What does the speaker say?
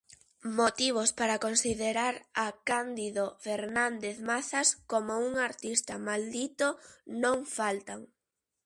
Motivos para considerar a Cándido Fernández Mazas como un artista maldito non faltan.